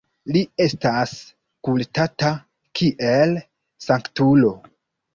Li estas kultata kiel sanktulo.